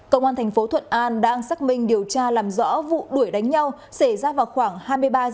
công an tp thuận an đang xác minh điều tra làm rõ vụ đuổi đánh nhau xảy ra vào khuôn khí